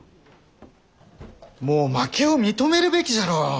もう負けを認めるべきじゃろう。